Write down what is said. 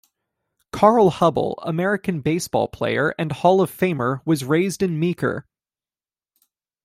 Carl Hubbell, American baseball player and Hall of Famer was raised in Meeker.